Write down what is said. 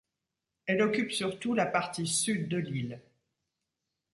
Elle occupe surtout la partie sud de l’île.